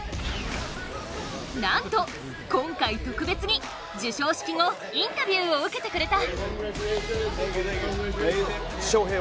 なんと今回、特別に授賞式後インタビューを受けてくれた。